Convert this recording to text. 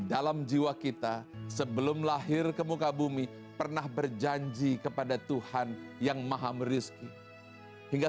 dalam jiwa kita sebelum lahir ke muka bumi pernah berjanji kepada tuhan yang maha meriski hingga